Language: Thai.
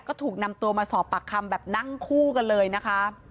ก็ถูกนำตัวมาสอบปากคำแบบนั่งคู่กันเลยนะคะ